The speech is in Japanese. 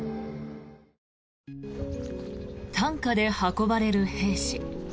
担架で運ばれる兵士。